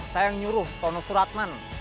saya yang nyuruh tono suratman